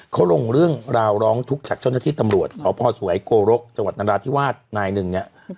เขาลงเรื่องราวร้องทุกข์จากเจ้าหน้าที่ตำรวจสพสวยโกรกจังหวัดนราธิวาสนายหนึ่งเนี่ย